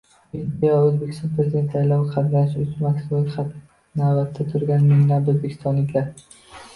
Video: O‘zbekiston prezidenti saylovida qatnashish uchun Moskvada navbatda turgan minglab o‘zbekistonliklar